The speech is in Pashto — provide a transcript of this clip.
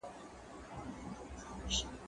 زه مخکي تکړښت کړي وو!!